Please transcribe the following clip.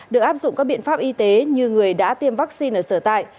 được áp dụng các biện pháp y tế như người đã tiêm vaccine ở sở tại